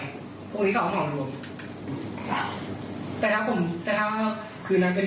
แล้วคือแค่ว่าเป็นกลุ่มกับปูนแล้วก็ลงมือหรือยัง